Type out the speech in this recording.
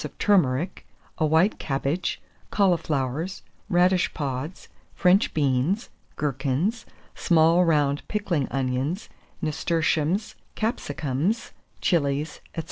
of turmeric; a white cabbage, cauliflowers, radish pods, French beans, gherkins, small round pickling onions, nasturtiums, capsicums, chilies, &c.